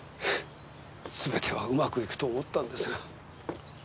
全てはうまくいくと思ったんですが。